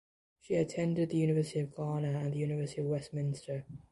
She attended the University of Ghana and the University of Westminster.